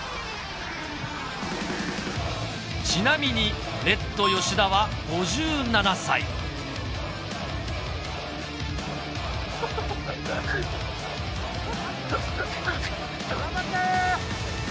ちなみにレッド吉田は５７歳・頑張って！